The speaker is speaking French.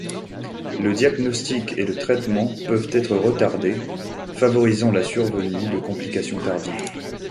Le diagnostic et le traitement peuvent être retardés favorisant la survenue de complications tardives.